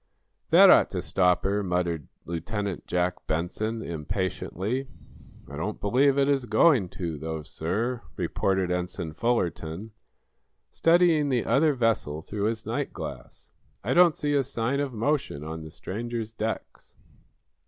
"That ought to stop her!" muttered Lieutenant Jack Benson, impatiently. "I don't believe it is going to, though, sir," reported Ensign Fullerton, studying the other vessel through his night glass. "I don't see a sign of motion on the stranger's decks."